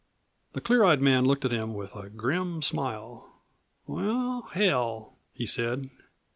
The clear eyed man looked at him with a grim smile. "Why, hell!" he said.